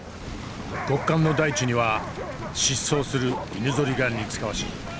極寒の大地には疾走する犬ぞりが似つかわしい。